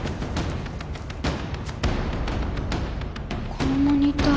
このモニター。